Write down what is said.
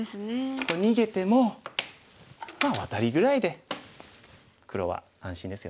逃げてもまあワタリぐらいで黒は安心ですよね。